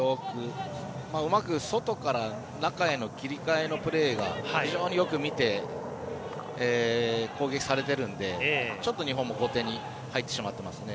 うまく外から中への切り替えのプレーが非常によく見て攻撃されているのでちょっと日本も後手に入ってしまってますね。